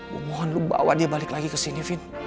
gue mohon lo bawa dia balik lagi kesini fin